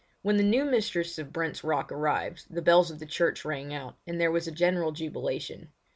When the new mistress of Brent's Rock arrived the bells of the church rang out, and there was a general jubilation.